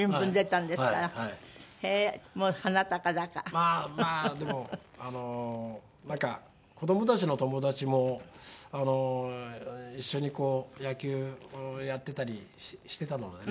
まあまあでもなんか子どもたちの友達も一緒にこう野球やってたりしてたのでね